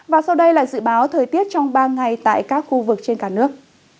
và sau đây là dự báo thời tiết trong ba ngày tại các khu vực trên cả nước